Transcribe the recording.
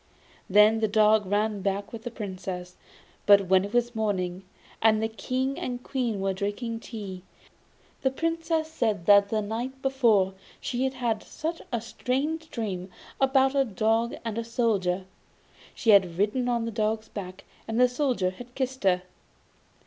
Then the dog ran back with the Princess. But when it was morning, and the King and Queen were drinking tea, the Princess said that the night before she had had such a strange dream about a dog and a Soldier: she had ridden on the dog's back, and the Soldier had kissed her.